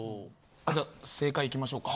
じゃあ正解いきましょうか。